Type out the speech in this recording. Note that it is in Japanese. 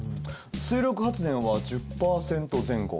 水力発電は１０％前後。